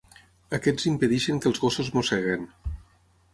Aquests impedeixen que els gossos mosseguin.